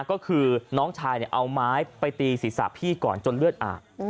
ก็คือน้องชายเอาไม้ไปตีศีรษะพี่ก่อนจนเลือดอาบ